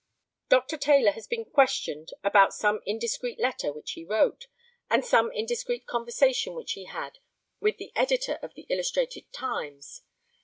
Dr. Taylor has been questioned about some indiscreet letter which he wrote, and some indiscreet conversation which he had with the editor of the Illustrated Times.